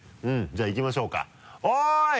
じゃあいきましょうかおい！